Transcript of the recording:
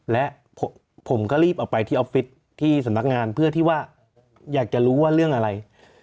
และผมก็รีบออกไปที่ออฟฟิศที่สำนักงานเพื่อที่ว่าอยากจะรู้ว่าเรื่องอะไร